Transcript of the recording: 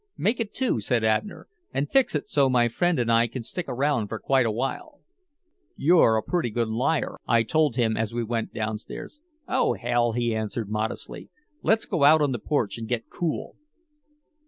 "Make it two," said Abner, "and fix it so my friend and I can stick around for quite a while." "You're a pretty good liar," I told him as we went downstairs. "Oh, hell," he answered modestly. "Let's go out on the porch and get cool."